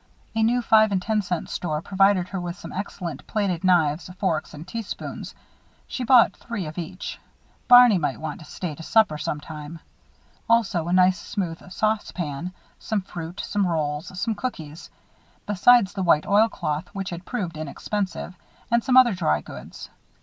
A new five and ten cent store provided her with some excellent plated knives, forks, and teaspoons. She bought three of each Barney might want to stay to supper sometime. Also a nice smooth saucepan, some fruit, some rolls, some cookies; besides the white oilcloth, which had proved inexpensive; and some other drygoods.